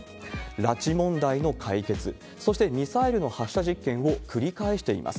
拉致問題の解決、そしてミサイルの発射実験を繰り返しています。